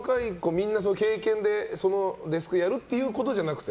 みんな経験でそのデスクをやるということじゃなくて？